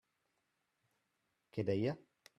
Què deia?